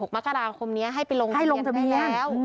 ๑๖มักธาคมนี้ให้ไปลงทะเบียนได้แล้ว